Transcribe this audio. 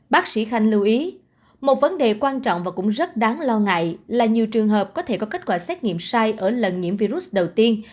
bác sĩ khanh lưu ý một vấn đề quan trọng và cũng rất đáng lo ngại là nhiều trường hợp có thể có kết quả xét nghiệm sai ở lần nhiễm virus đầu tiên